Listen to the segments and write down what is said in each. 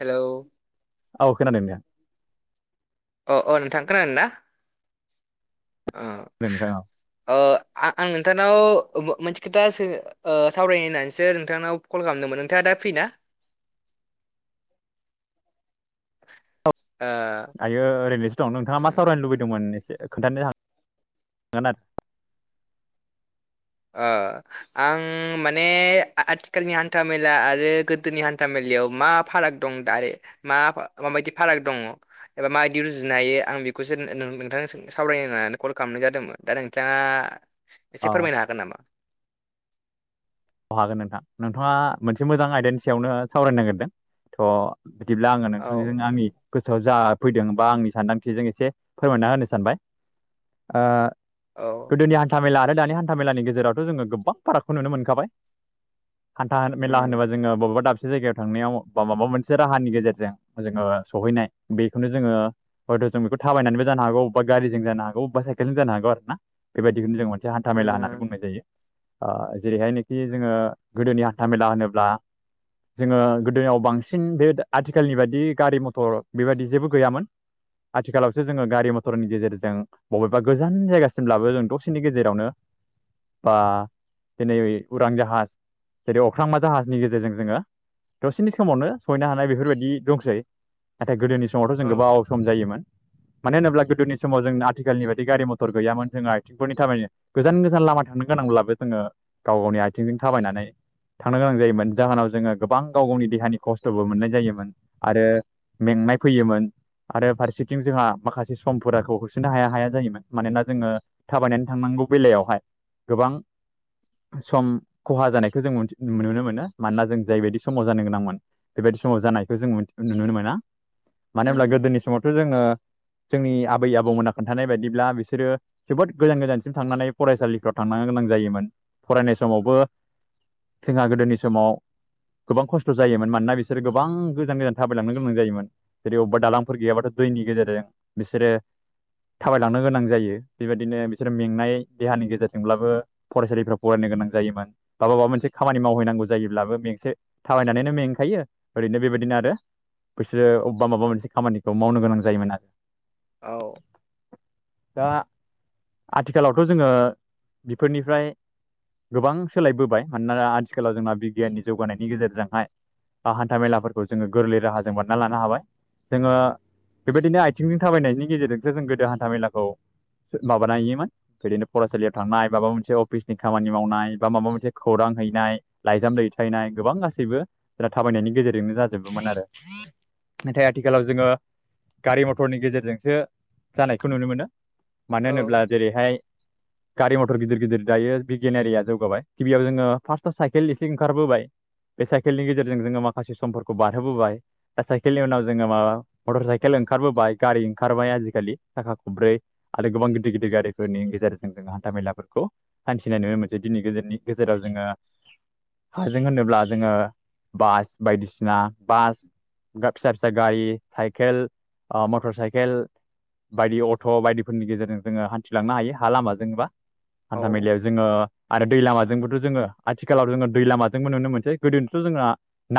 Hello औ खोनादों अ अ नोंथां खोनादों ना ओ खोनादों नोंथां औ ओ आ आं नोंथांनाव मोनसे खोथासो ओ सावराय होननानैसो नोंथांनाव कल खालामदोंमोन नोंथाङा दा फ्रिना ओ आयो ओरैनोसो दं नोंथाङा मा सावरायनो लुबैदोंमोन एसे खोन्थानो [inaudible] ओ आं माने आथिखालनि हान्था मेला आरो गोदोनि हान्था मे लायाव मा फाराग दं दारे मा माबायदि फाराग दङ एबा मायिदि रुजुनो हायो आं बेखौसो [unintelligible] नोंथां सावरायनोना कल खालामनाय जादोंमोन दा नोंथाङा एसे फोरमायनो अ हागोन नामा अ हागोन नोंथां नोंथाङा मोनसे मोजां आयदानि सायावनो सावरायनो नागिरदों थ' बिदिब्ला आङो औ नोंथांजों आंनि गोसोआव जा फैदोंबा आंनि सानदांथिजों इसे फोरमायना होनो सानबाय ओ औ गोदोनि हान्था मेला आरो दानि हान्थ मेलानि गेजेरावथो जोङो गोबां फारागखो नुनो मोनखाबाय हान्था होन मेला होनोबा उम जोङो बबेबा दाब से जायगायाव थांनायाव बा माबा मोनसे राहानि गेजेरजों जोङो सहैनाय बेखौनो जोङो हयथ' जों बेखौ थाबायनानैबो जानो हागौ अबा गारिजों जानो हागौ बा साइकेलजों जनो हागौ आरोना बेबायदिखौनो जों [unintelligible] जों हान्था मेला होननानै बुंनाय उम जायो ओ जेरैहाय नै ए जोङो गोदोनि हान्था मेला होनोब्ला जोङो गोदोआव बांसिन बे आथिखालनि बादि गारि मथर बेबादि जेबो गैयामोन आथिखालावसो जोङो गारि मथरनि गेजेरजों बबेबा गोजान जायगासिमब्लाबो जों दसेनि गेजेरावनो बा दिनै उरां जाहाज जेरै अख्रांमा जाहाजनि गेजेरजों जोङो दसेनि समावनो सहैनो हानाय बेफोरबायदि दंसै नाथाय गोदोनि समावथ' जों औ गोबाव सम जायोमोन मानो होनोब्ला गोदोनि समाव जोंना आथिखालनि बायदि गारि मथर गैयामोन जोङा आथिंफोरनि थाबायनो गोजान गोजान लामा थांथनो गोनांब्लाबो जोङो गाव गावनि आथिंजों थाबायनानै थांनो गोनां जायोमोन जाहोनाव जोङो गोबां गाव गावनि देहानि खस्थ'बो मोननाय जायोमोन आरो मेंनाय फैयोमोन आरो फारसेथिं जोंहा माखासे समफोराखौ होसोनो हाया हाया जायोमोन। मानोना जोङो थाबायनानै थांनां गौ बेलायावहाय गोबां सम खहा जानायखो जों मोनथि नुनो मोनो। मानोना जों जायबायदि समाव जानो गोनांमोन बेबादि समाव जानायखो जों नुनो मोना। मानो होनब्ला उम गोदोनि समावथ' जोङो जोंनि आबै आबौमोना खोन्थानाय बायदिब्ला बिसोरो जोबोद गोजान गोजानसिम थांनानै फरायसालिफ्राव था थांनो गोनां जायोमोन फरायनाय समावबो जोंहा गोदोनि समाव गोबां खस्थ' जायोमोन मानोना बिसोरो गोबां गोजान गोजान थाबायलांनो गोनां जायोमोन। जेरै अबेबा दालांफोर गैयाबाथ' दैनि गेजेरजों बिसोरो थाबायलांनो गोनां जायो। बेबायदिनो बिसोरो मेंनाय देहानि गेजेरजोंब्लाबो फरायसालिफ्राव फरायनो गोनां जायोमोन बा माबा मोनसे खामानि मावहैनांगौ जायोब्लाबो मेंसे थाबायनानैनो मेंखायो ओरैनो बेबायदिनो आरो बिसोरो अबेबा माबा मोनसे खामानिखौ मावनो गोनां जायोमोन आरो। औ। दा आथिखालावथ' जोङो बेफोरनिफ्राय गोबां सोलायबोबाय। मानोना आथिखालाव जोंना बिगियाननि जौगानायनि गेजेरजोंहाय ओ हान्था मेलाफोरखौ जोङो गोरलै राहाजों बानायना लानो हाबाय। जोङो बेबायदिनो आथिंजों थाबायनायनि गेजेरजोंसो जों गोदो हान्था मेलाखौ सो माबाना हैयोमोन बिदिनो फरायसालियाव थांनाय माबा मोनसे अफिसनि खामानि मावनाय बा माबा मोनसे खौरां हैनाय लाइजाम दैथायनाय गोबां गासैबो जोंहा थाबायनायनि गेजेरजोंनो जाजोबोमोन आरो नाथाय आथिखालाव जोङो गारि मटरनि गेजेरजोंसो जानायखौ नुनो मोनो। औ मानो होनोब्ला जेरैहाय गारि मथर गिदिर गिदिर दायो बिगियानारिया जौगाबाय गिबियाव जोङो फार्स्टआव साइकेल एसे ओंखारबोबाय बे साइकेलनि गेजेरजों जोङो माखासे समफोरखौ बारहोबोबाय दा साइकेलनि उनाव जोङो माबा मटर साइकेल ओंखारबोबाय गारि ओंखारबाय, आजिखालि साखा खब्रै आरो गोबां गिदिर गिदिर गारिफोरनि गेजेरजों जोंहा हान्था मेलाफोरखौ हान्थिनाय नुनो मोनसै दिनै गोजोननि गेजेराव जोङो हाजों होनोब्ला जोङो बास बायदिसिना बास बा फिसा फिसा गारि, साइकेल, ओ मटर साइकेल बायदि अट' बायदिफोरनि गेजेरजों जोङो हान्थिलांनो हायो हा लामाजोंबा औ हान्था मेलायाव ओ आरो दै लामाजोंबोथ' जोङो आथिखालाव जोङो दै लामाजोंबो नुनो मोनसै गोदोनिथ' जोंहा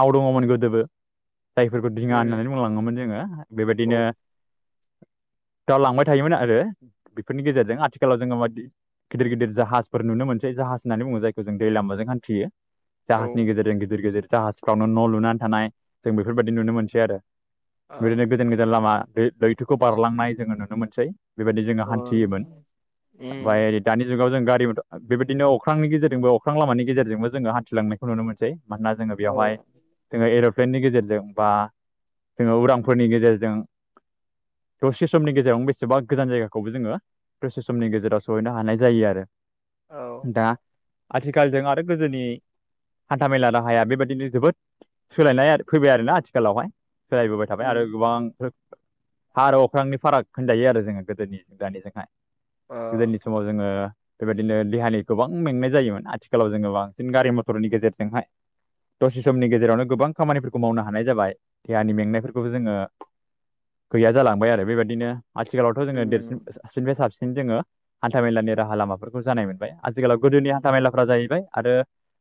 नाव दङ' मोन गोदोबो [unintelligible] जायफोरखौ दिङा उम होननानै बुंलाङोमोन जोङो। औ बेबायदिनो [unintelligible] दावलांबाय थायोमोन आरो बेफोरनि गेजेरजों आथिखालाव जोङो मादि गिदिर गिदिर जाहाज फोर नुनो मोनसै जाहाज होननानै बुङो जायखौ जों दै लामाजों हान्थियो। जाहाजनि औ गेजेरजों गिदिर गिदिर जाहाजफ्रावनो न' लुनानै थानाय जों बेफोरबायदि नुनो मोनसै आरो आ बिदिनो गोजान गोजान लामा लै-लैथोखौ बारलांनाय जोङो नुनो मोनसै। बेबायदि जोङो अ हान्थियोमोन ओमफ्राय उम ओरै दानि जुगाव जों गारि मथर बेबायदिनो अख्रांनि गेजेरजोंबो अख्रां लामानि गेजेरजोंबो जोङो हान्थिलांनायखौ नुनो मोनसै। मानोना जोङो औ बेवहाय जोङो एर' प्लेननि गेजेरजों बा जोङो उरांफोरनि गेजेरजों दसे समनि गेजेरावनो बेसेबा गोजान जायगाखौबो जोङो दसे समनि गेजेराव सहैनो हानाय जायो आरो। औ दा आथिखालजों आरो गोदोनि हान्था मेला राहाया बेबायदिनो जोबोद सोलायनाय फैबाय आरोना आथिखालावहाय। सोलायबोबाय थाबाय आरो उम गोबां हा आरो अख्रांनि फाराग होनजायो आरो जोङो गोदोनिजों दानिजोंहाय। आ गोदोनि समाव जोङो बेबायदिनो देहानि गोबां मेंनाय जायोमोन आथिखालाव जोङो बांसिन गारि मथरनि गेजेरजोंहाय दसे समनि गेजेरावनो गोबां खामानिफोरखौ मावनो हानाय जाबाय, देहानि मेंनायफोरखौबो जोङो गैया जालांबाय आरो बेबायदिनो आथिखालावथ' जोङो देरसिन उम साबसिननिफ्राय साबसिन जोङो हान्था मेलानि राहा लामाफोर खौ जानाय मोनबाय आथिखालाव गोदोनि हान्था मेलाफ्रा जाहैबाय आरो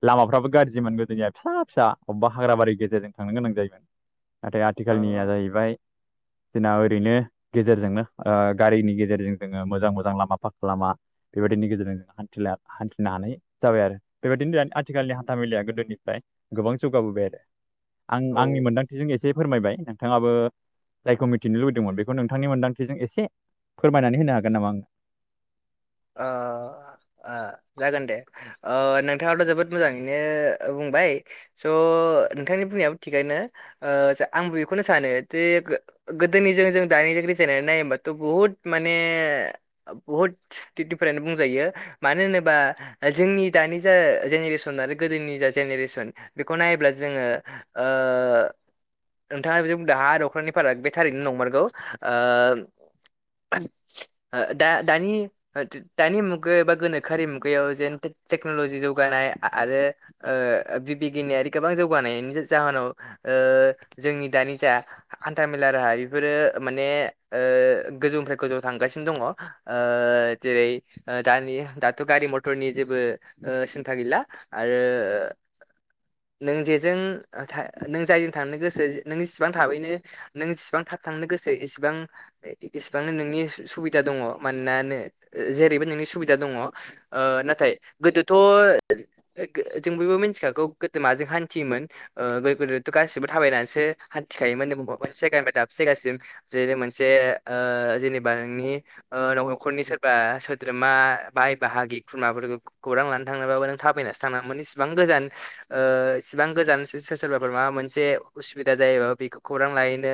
लामाफ्राबो गाज्रि मोनबोदोनिया फिसा फिसा अबेबा हाग्र बारि गेजेरजों थांनो गोनां जायोमोन नाथाय आ आथिखालनिया जाहैबाय [inaudible] जोंना ओरैनो गेजेरजोंनो ओ गारिनि गेजेरजों जोङो मोजां मोजां लामाफाखा लामा बेबायदिनो गिदिर हान्थिनो हानाय जाबाय आरो बेबायदिनो आथिखालनि हान्था मेलाया गोदोनिफ्राय गोबां जौ जौगाबोबाय आरो आं आंनि औ मोनदांथिजों एसे फोरमायबाय नोंथाङाबो जायखौ मिथिनो लुबैदोंमोन बेखौ नोंथांनि मोन्दांथिजों एसे फोरमायनानै होनो हागोन नामा आङो। अ जागोन दे। नोंथाङाथ' जोबोद मोजाङैनो बुंबाय स' नोंथांनि बुंनायाबो थिगैनो। आं बेखौनो सानो जे गोदोनिजों जों दानि जों रिजायनानै नायोबाथ' बुहुद माने बहुत। डिफारेन बुंजायो मानो होनोबा जोंनि दानि जा जेनेरेसन आरो गोदोनि जा जेनेरेस बिखौ नायोब्ला जोङो ओं नोंथाङा बिदि बुंदों हा अख्रांनि फाराग बे थारैनो नंमारगौ। दा दानि दानि मुगायाव एबा गोनोखोआरि मुगायाव जेन टेक्न'लजि जौगानाय आरो बिगियानआरि गोबां जौगानायनि जाहोनाव जोंनि दानि जा हान्था मेला राहा बेफोरो माने गोजौनिफ्राय गोजौआव थांगासिनो दङ। जेरै दानि दाथ' गारि मथरनि जेबो सिन्था गैला आरो। [inaudible] नों जेजों नों जायजों थांनो गोसो नों जेसिबां थाबैनो नों जेसेबां थाब थांनो गोसो इसेबां इसेबांनो नोंनि सुबिदा दङ मानोना जेरैबो नोंनि सुबिदा दङ नाथाय गोदोथ' जोंबो मिथिखागौ गोदो माजों हान्थियोमोन गोदो गोदोथ' गासिबो थाबायनानैसो हान्थि खायोमोन। दाबसे जायगानिफ्राय दाबसे जायगासिम जेरै मोनसे जेनेबा नोंनि न' न'खरनि सोर सोद्रोमा बाय बाहागि खुरमाफोरखौ खौरां लानो थांनोबाबो नों थाबायनासो थांनागौमोन इसेबां इसेबां गोजान सोरबाफोर माबा मोनसे उसुबिदा जायो बेखौ खौरां लाहैनो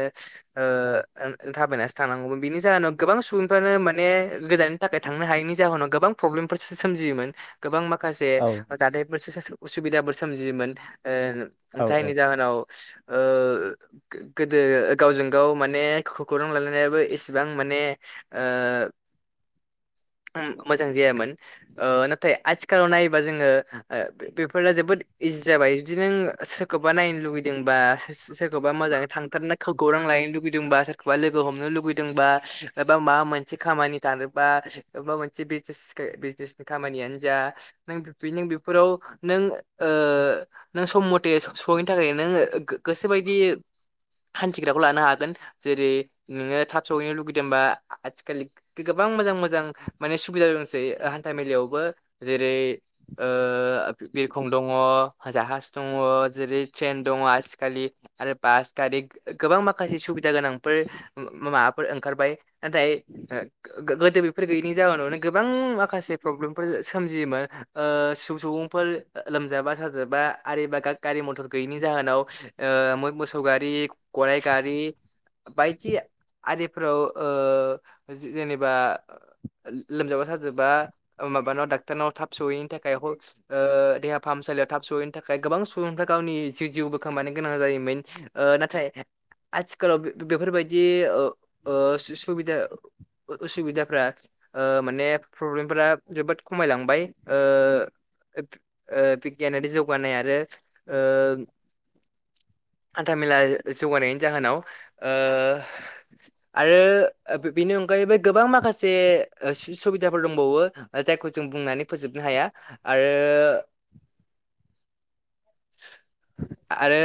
थाबायनासो थांनांगौमोन बेनि जाहोनाव गोबां सुबुंफ्रानो माने गोजान थाखाय थांनो हायैनि जाहोनाव गोबां प्रब्लेमफोरसो सोमजियोमोन गोबां माखासे औ जाथायफोरसो अबिदाबो सोमजियोमोन औ जायनि औ जाहोनाव गोदो गावजों गाव माने खौरां लालायनायाबो एसेबां माने [inaudible] मोजां जायामोन नाथाय आथिखालाव नायोबा जोङो बेफोर जोबोद इजि जाबाय जुदि नों सोरखौबा नायनो लुुबैदोंबा सोरखौबा मोजाङै थांथारना खौरां लाहैयनो लुगैयदोंबा सोरखौबा लोगो हमनो लुगैयदोंबा एबा माबा मोनसे खामानि [inaudible] नों नों सम मथे सहैनो थाखाय नों गोसो बायदि हान्थिग्राखौ लानो हागोन जेरै नोङो थाब सहैनो लुगैदोंबा आथिखाल गोबां मोजां मोजां माने सुबिदा दंसै हान्था मेलायावबो जेरै बिरखं दङ, जाहाज दङ, जेरै ट्रेन दङ आजि खालि आरो बास गारि। गोबां माखासे सुबिदा गोनांफोर माबाफोर ओंखारबाय नाथाय गोदो बेफोर गैयैनि जाहोनावनो गोबां माखासे प्रब्लेमफोर सोमजियोमोन सुबुंफोर लोमजाबा साजाबा आरोबा गारि मथर गैयिनि जाहोनाव मोसौ गारि गारि गराइ गारि बायदि आरिफोराव जेनेबा। लोमजाबा साजाबा माबानाव डाक्टरनाव थाब सहैयिनि थाखाय देहा फाहामसालि सालियाव थाब सहैनि थाखाय गोबां सुबुंफ्रा गावनि जिउ जिउबो खोमानो गोनां जायोमोन नाथाय आथिखालाव बे बेफोर बादि ओ ओ सु सुबिदा उसुबिदाफ्रा ओ माने प्रब्लेम फोरा जोबोद खमाय लांबाय ओ ओब ओ बिगियानारि जौगानाय आरो ओ हान्था मेला जौगानायनि जाहोनाव ओ आरो ओब बेनि अनगायैबो गोबां माखासे ओ सुबिदाफोर दंबावो जायखौ जों बुंनानै फोजोबनो हाया। आरो आरो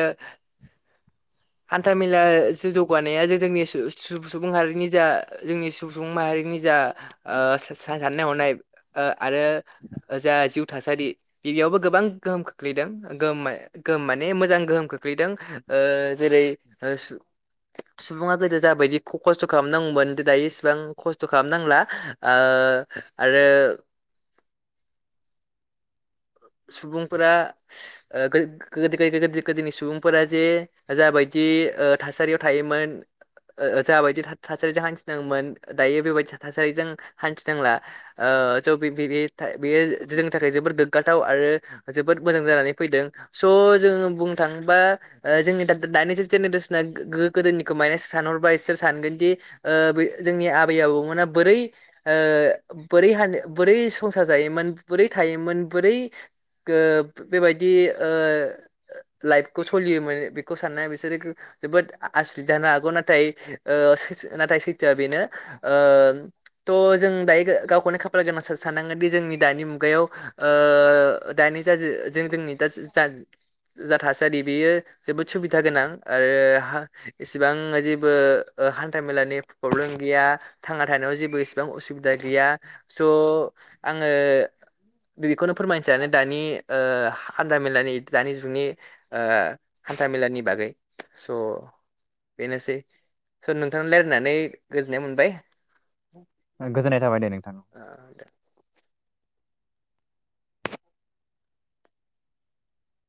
हान्था मेला जो जौगानाया जो जोंनि स सु सुबुं हारिनि जा जोंनि सु सुबुं माहारि जोंनि जा ओ स स सा साननाय हनाय ओ आरो ओ जा जिउ थासारि गिबियावबो गोबां गोहोम खोख्लैदों गोह गोहोम माने मोजां गोहोम खोख्लैदों ओ जेरै ओ सु सुबुङा गोदो जाबायदि ख खस्थ' खालामनांगौ मोन दायो इसेबां खस्थ' खालामनांला ओ ओ आरो सुबुं फोरा गो [unintelligible] गोदोनि सुबुंफोरा जे जा जाबायदि दि ओ थासारियाव थायोमोन ओ ओ जाबायदि था थासारिजों हान्थि दोंमोन दायो बेबायदि था ता थासारिजों हान्थिदोंला। ओ ओ स बे बे बे बे बेयो जोंनि थाखाय जोबोद गोग्गा थाव आरो जोबोद मोजां जानानै फैदों स' जोङो बुंनो थाङोबा ओ जोंनि दा दाद दा स [unintelligible] जेनेरेसना गो गो गोदोनिखौ माने सानहरबा इसोर सानगोनदि ओ आबे जोंनि आबै आबौ मोना बोरै ओ बोरै हान बोरै संसार जायोमोन बोरै थायोमोन बोरै गो बेबायदि ओ लाइफखौ सलियोमोन बेखौ साननाया बिसोरो जोबोद आसरिद जानो हागौ नाथाय ओ सोसो नाथाय सैथोआ बेनो। थ' जों दायो गा गावखौनो खाफाल गोनां साननांगोन दि जोंनि दानि मुगायाव आ दानि जा जि जों जोंनि दाज जा जा थासारि बेयो जोबोद सुबिदा गोनां आरो हा इसेबां जेबो हान्था मेलानि प्रब्लेम गैया थांना थानायाव जेबो इसेबां उसुबिदा गैया स' आङो बे बेखौनो फोरमायनो सानो दानि ओ हा हान्थामेलानि दानि जुगनि हान्था मे मेलानि बागै स' बेनोसै स नोंथां लायरायनानै गोजोननाय मोनबाय। गोजोननाय थाबाय दे नोंथां। ओ